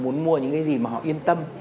muốn mua những cái gì mà họ yên tâm